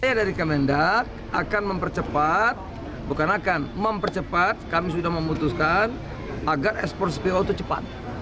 saya dari kemendak akan mempercepat bukan akan mempercepat kami sudah memutuskan agar ekspor cpo itu cepat